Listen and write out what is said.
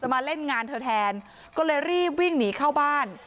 มาเล่นงานเธอแทนก็เลยรีบวิ่งหนีเข้าบ้าน